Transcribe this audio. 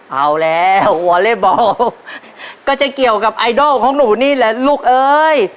เอาแล้ววอเล่บอลก็จะเกี่ยวกับไอดอลของหนูนี่แหละลูกเอ้ย